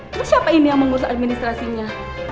terus siapa ini yang mengurus administrasinya